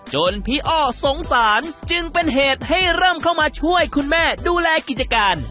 จนพี่อ้อสงสารจึงเป็นเหตุให้เริ่มเข้ามาช่วยคุณแม่ดูแลกิจการ